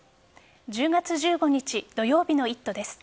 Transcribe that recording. １０月１５日土曜日の「イット！」です。